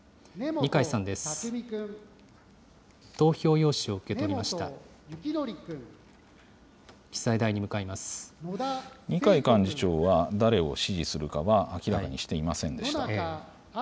二階幹事長は誰を支持するかは明らかにしていませんでした。